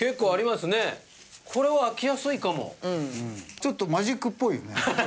ちょっとマジックっぽいよね。